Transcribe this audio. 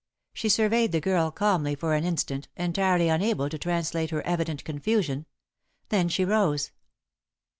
She surveyed the girl calmly for an instant, entirely unable to translate her evident confusion; then she rose.